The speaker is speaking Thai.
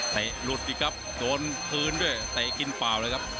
หลุดอีกครับโดนคืนด้วยเตะกินเปล่าเลยครับ